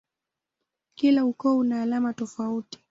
Kila ukoo una alama tofauti.